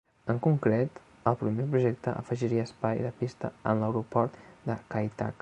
En concret, el primer projecte afegiria espai de pista en l'aeroport de Kai Tak.